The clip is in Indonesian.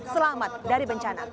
selamat dari bencana